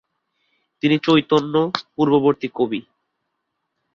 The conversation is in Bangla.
তিনি চৈতন্য-পূর্ববর্তী কবি।